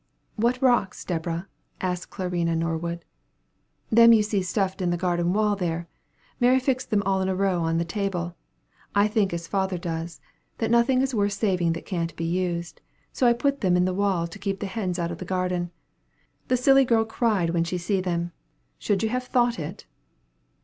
"What rocks, Deborah!" asked Clarina Norwood. "Them you see stuffed into the garden wall, there. Mary fixed them all in a row on the table. I think as father does, that nothing is worth saving that can't be used; so I put them in the wall to keep the hens out of the garden. The silly girl cried when she see them; should you have thought it?"